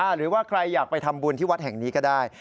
หรือว่าใครอยากไปทำบุญที่วัดแห่งนี้ก็ได้